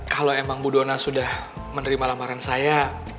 kalau emang bu dona sudah menerima lamaran saya